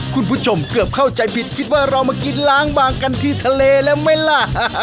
คุณผู้ชมเกือบเข้าใจผิดคิดว่าเรามากินล้างบางกันที่ทะเลแล้วไหมล่ะ